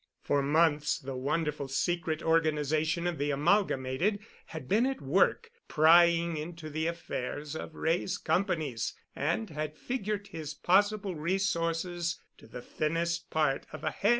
For months the wonderful secret organization of the Amalgamated had been at work prying into the affairs of Wray's companies and had figured his possible resources to the thinnest part of a hair.